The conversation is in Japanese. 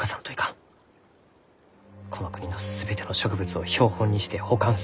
この国の全ての植物を標本にして保管する。